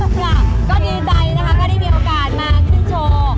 ค่ะก็ดีใจนะคะก็ได้มีโอกาสมาขึ้นโชว์